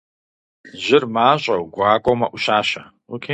Жьыр мащӀэу, гуакӀуэу мэӀущащэ.